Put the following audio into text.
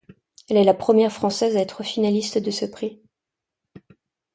Elle est la première française à être finaliste de ce prix.